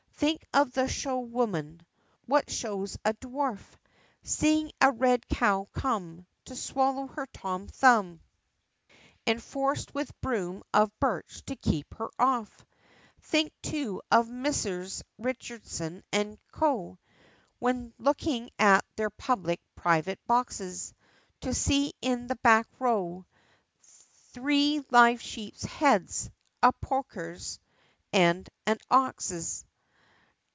Think of the Show woman, "what shows a Dwarf," Seeing a red Cow come To swallow her Tom Thumb, And forc'd with broom of birch to keep her off! Think, too, of Messrs. Richardson and Co., When looking at their public private boxes, To see in the back row Three live sheep's heads, a porker's, and an Ox's!